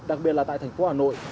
đặc biệt là tại thành phố hà nội